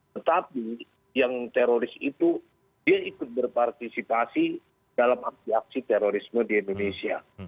tetapi yang teroris itu dia ikut berpartisipasi dalam aksi aksi terorisme di indonesia